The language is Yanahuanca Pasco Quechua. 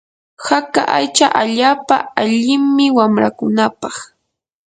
haka aycha allaapa allimi wanrakunapaq.